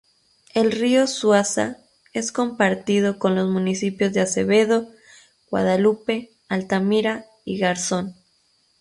El río Suaza es compartido con los municipios de Acevedo, Guadalupe, Altamira y Garzón.